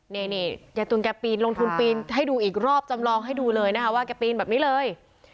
นี่ยายตุลแกปีนลงทุนปีนให้ดูอีกรอบจำลองให้ดูเลยนะคะว่าแกปีนแบบนี้เลย